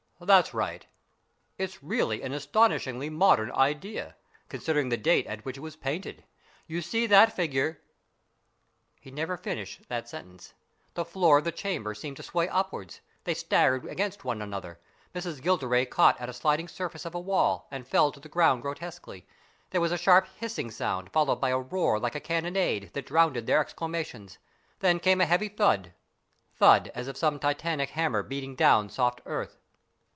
That's right. It's really an astonishingly modern idea, considering the date at which it was painted. You see that figure " He never finished that sentence. The floor of the chamber seemed to sway upwards. They staggered against one another. Miss Gilderay caught at a sliding surface of wall, and fell to the ground grotesquely. There was a sharp hissing sound, followed by a roar like a cannonade, that drowned their exclamations. Then came a heavy thud thud, as of some titanic hammer beating down soft earth.